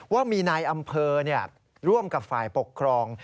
ว่ามีนายอำเภอร่วมกับฝ่ายปกครอง